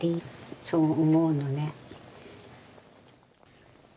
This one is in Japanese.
そう思うのね。